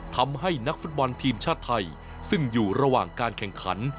ทำให้นักฟุตบอลทีมชาติไทยซึ่งอยู่ระหว่างการแข่งขัน